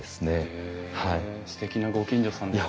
へえすてきなご近所さんですね。